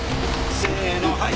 せーのはい。